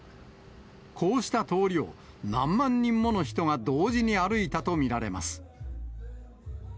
こうした通りを何万人もの人が同時に歩いたと見られます。